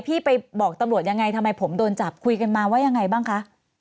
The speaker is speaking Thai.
พี่ไปบอกตำรวจยังไงทำไมผมโดนจับคุยกันมาว่ายังไงบ้างคะ